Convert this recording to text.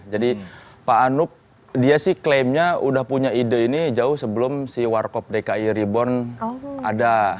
jadi pak anup dia sih klaimnya udah punya ide ini jauh sebelum si warkop dki reborn ada